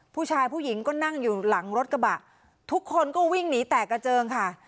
ผู้หญิงก็นั่งอยู่หลังรถกระบะทุกคนก็วิ่งหนีแตกกระเจิงค่ะ